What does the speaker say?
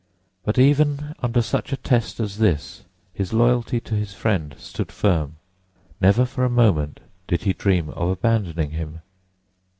But even under such a test as this his loyalty to his friend stood firm. Never for a moment did he dream of abandoning him.